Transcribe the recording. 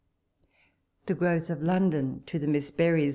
... TBI: GliOWTH OF LONDON. To THE Miss Berrys.